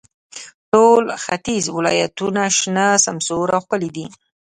ټول ختیځ ولایتونو شنه، سمسور او ښکلي دي.